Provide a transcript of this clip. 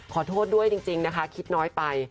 ขอโทษด้วยจริงนะคะคิดน้อยไป